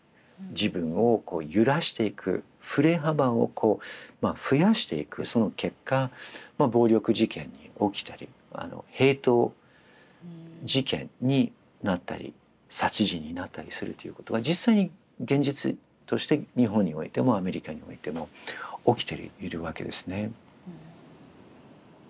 自分をこう揺らしていく振れ幅をこう増やしていくその結果暴力事件が起きたりヘイト事件になったり殺人になったりするということが実際に現実として日本においてもアメリカにおいても起きているわけですね。